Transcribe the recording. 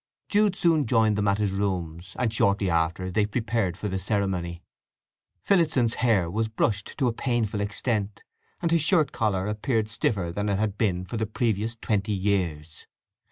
Jude soon joined them at his rooms, and shortly after they prepared for the ceremony. Phillotson's hair was brushed to a painful extent, and his shirt collar appeared stiffer than it had been for the previous twenty years.